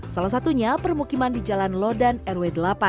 salah satunya permukiman di jalan lodan rw delapan